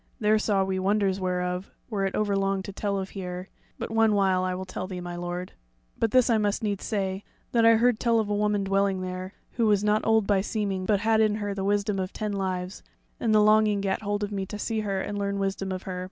There saw we wonders whereof were it overlong to tell of here; but one while I will tell thee, my lord. But this I must needs say, that I heard tell of a woman dwelling there, who was not old by seeming, but had in her the wisdom of ten lives, and the longing gat hold of me to see her and learn wisdom of her.